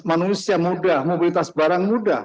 manusia mudah mobilitas barang mudah